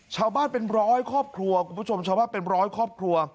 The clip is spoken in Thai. ชาวบ้านเป็นร้อยครอบครัวคุณผู้ชมชาวบ้านเป็นร้อยครอบครัว